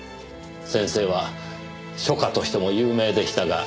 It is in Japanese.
先生は書家としても有名でしたが。